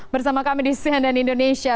bersama kami di sian dan indonesia